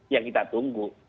yang kita tunggu